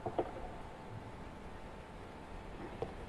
Muchos de esos patrones se dividen en subtipos.